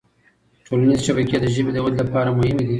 ټولنیزې شبکې د ژبې د ودې لپاره مهمي دي